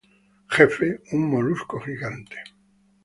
Jefe: Un molusco gigante.